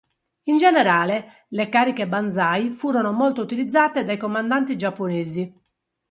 In generale, le cariche banzai furono molto utilizzate dai comandanti giapponesi.